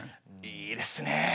いいですね